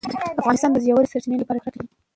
افغانستان د ژورې سرچینې لپاره مشهور دی.